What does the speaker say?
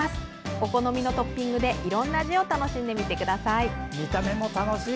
お好みのトッピングでいろんな味を楽しんでみてください。